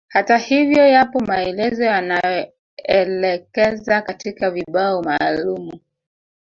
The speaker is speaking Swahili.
Hata hivyo yapo maelezo yanaoelekeza katika vibao maalumu